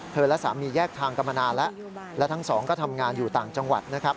และสามีแยกทางกันมานานแล้วและทั้งสองก็ทำงานอยู่ต่างจังหวัดนะครับ